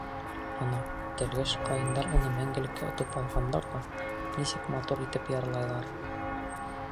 Ана, тәлгәш ҡайындар уны мәңгелеккә отоп алғандар ҙа нисек матур итеп йырлайҙар.